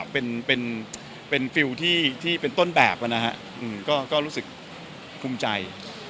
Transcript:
เป็นต้นแบบนะฮะก็รู้สึกภูมิใจ